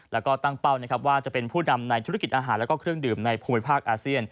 แล้วก็ตั้งเป้านะครับว่าจะเป็นผู้นำในธุรกิจอาหารแล้วก็เครื่องดื่มในภูมิภาคอาเซียน